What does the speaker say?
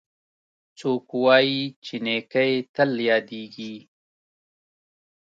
څوک وایي چې نیکۍ تل یادیږي